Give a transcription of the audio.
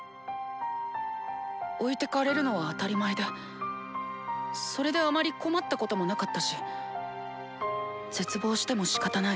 置いてかれるのは当たり前でそれであまり困ったこともなかったし絶望してもしかたない。